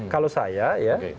kalau saya ya